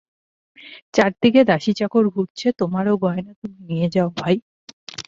চার দিকে দাসী চাকর ঘুরছে, তোমার ও গয়না তুমি নিয়ে যাও ভাই।